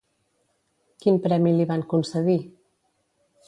Quin premi li van concedir?